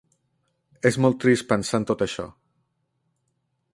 És molt trist pensar en tot això.